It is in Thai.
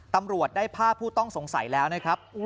ตำรวจได้ภาพผู้ต้องสงสัยแล้วนะครับ